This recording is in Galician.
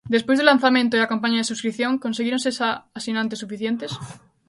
Despois do lanzamento e a campaña de subscrición, conseguíronse xa asinantes suficientes?